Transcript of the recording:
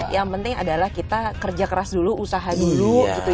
yang penting adalah kita kerja keras dulu usaha dulu